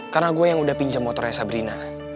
karena gue yang udah pinjam motornya sabrina